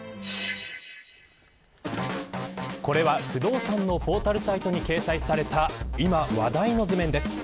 これは不動産のポータルサイトに掲載された今話題の図面です。